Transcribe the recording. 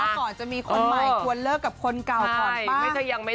คุณผู้ขอจะมีคนใหม่ควรเลิกกับคนเก่าขอบไป